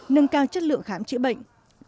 hai nâng cao chất lượng khám chữa bệnh